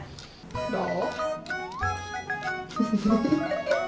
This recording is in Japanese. どう？